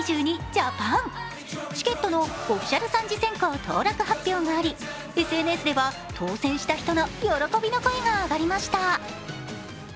チケットのオフィシャル３次選考当落発表がありＳＮＳでは当選した人の喜びの声が上がりました。